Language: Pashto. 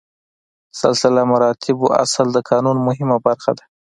سلسله مراتبو اصل د قانون مهمه برخه ده.